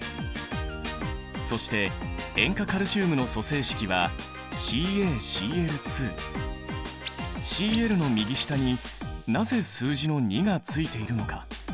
そして塩化カルシウムの組成式は「Ｃｌ」の右下になぜ数字の２がついているのか？